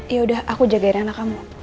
yaudah aku jagain anak kamu